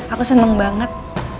aku seneng banget